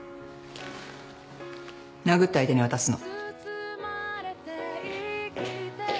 殴った相手に渡すの。